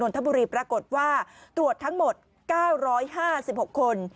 ทบุรีปรากฏว่าตรวจทั้งหมด๙๕๖คน